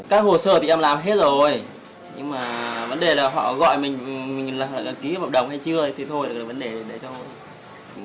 thì em làm hết rồi nhưng mà vấn đề là họ gọi mình là ký bậc đồng hay chưa thì thôi là vấn đề đấy thôi